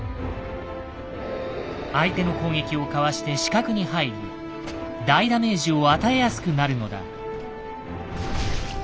相手の攻撃をかわして死角に入り大ダメージを与えやすくなるのだ。